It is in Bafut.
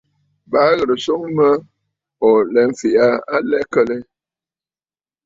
Baa ò ghɨ̀rə nswoŋ mə o fɛ̀ʼ̀ɛ̀ aa a lɛ kə lɛ?